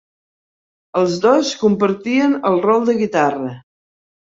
Els dos compartien el rol de guitarra.